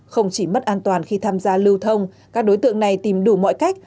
không chỉ mất an toàn khi tham gia lưu thông các đối tượng này tìm đủ mọi cách